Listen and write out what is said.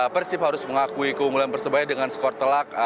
persib harus mengakui keunggulan persebaya dengan skor telak